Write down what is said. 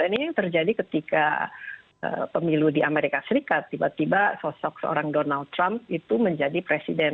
ini yang terjadi ketika pemilu di amerika serikat tiba tiba sosok seorang donald trump itu menjadi presiden